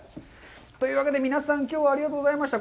というわけで皆さん、きょうはありがとうございました。